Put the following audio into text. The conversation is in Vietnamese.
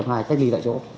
một f hai cách ly tại chỗ